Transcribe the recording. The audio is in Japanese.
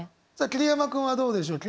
桐山君はどうでしょう？